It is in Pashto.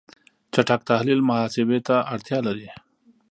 چټک تحلیل محاسبه ته اړتیا لري.